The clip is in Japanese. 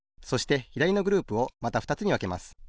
そしてひだりのグループをまたふたつにわけます。